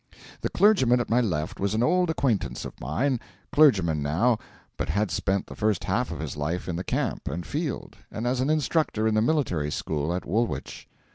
The clergyman at my left was an old acquaintance of mine clergyman now, but had spent the first half of his life in the camp and field, and as an instructor in the military school at Woolwich.